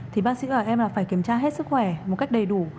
thì bác sĩ của em là phải kiểm tra hết sức khỏe một cách đầy đủ